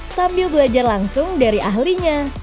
sambil belajar langsung dari ahlinya